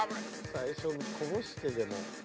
最初にこぼしてでも。